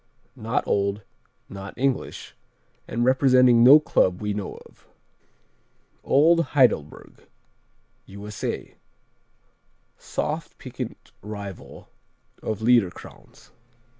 _ Not old, not English, and representing no club we know of. Old Heidelberg U.S.A. Soft, piquant rival of Liederkranz.